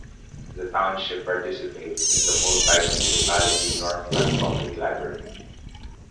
The township participates in the multi-municipality Northland Public Library.